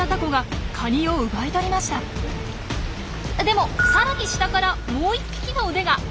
でもさらに下からもう１匹の腕が！